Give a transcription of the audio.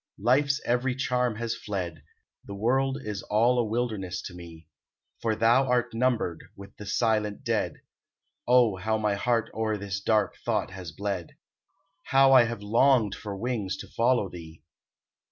Life's every charm has fled, The world is all a wilderness to me; "For thou art numbered with the silent dead." Oh, how my heart o'er this dark thought has bled! How I have longed for wings to follow thee!